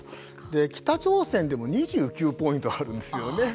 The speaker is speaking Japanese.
北朝鮮でも２９ポイントあるんですよね。